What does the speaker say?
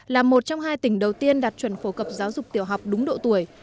là một trong hai tỉnh đầu tiên đạt chuẩn phổ cập giáo dục tiểu học đúng độ tuổi